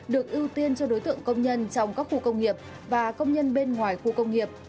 được ưu tiên cho đối tượng công nhân trong các khu công nghiệp và công nhân bên ngoài khu công nghiệp